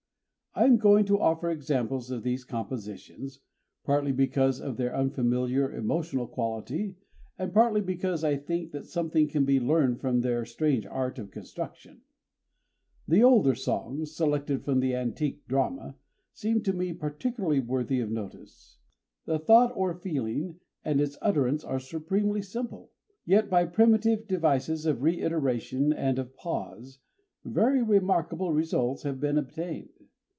I am going to offer examples of these compositions, partly because of their unfamiliar emotional quality, and partly because I think that something can be learned from their strange art of construction, The older songs selected from the antique drama seem to me particularly worthy of notice. The thought or feeling and its utterance are supremely simple; yet by primitive devices of reiteration and of pause, very remarkable results have been obtained.